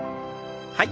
はい。